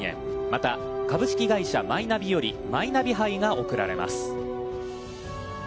また、株式会社マイナビよりマイナビ杯が贈られます。